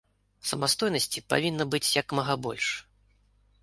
Самастойнасці павінна быць як мага больш.